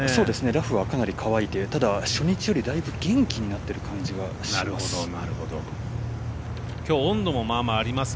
ラフはかなり乾いてただ、初日よりだいぶ元気になってる感じがします。